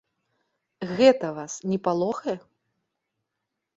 Гэта вас не палохае?